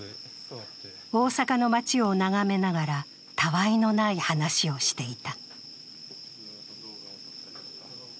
大阪の街を眺めながらたわいのない話をしていた。